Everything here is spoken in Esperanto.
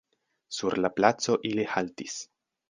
Sur la placo ili haltis.